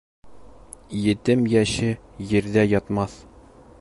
Етем йәше ерҙә ятмаҫ.